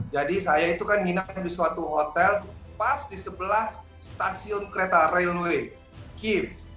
jadi saya itu kan minat di suatu hotel pas di sebelah stasiun kereta railway kyiv